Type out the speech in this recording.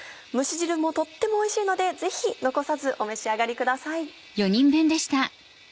蒸し汁もとってもおいしいのでぜひ残さずお召し上がりください。